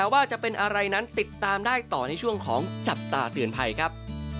ว่าจะเป็นอะไรนั้นติดตามได้ต่อในช่วงของจับตาเตือนภัยครับ